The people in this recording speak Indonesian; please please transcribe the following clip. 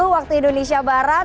waktu indonesia barat